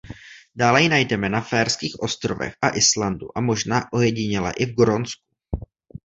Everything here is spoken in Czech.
Dále ji najdeme na Faerských ostrovech a Islandu a možná ojediněle i v Grónsku.